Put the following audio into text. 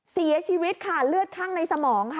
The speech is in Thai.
เสียชีวิตค่ะเลือดข้างในสมองค่ะ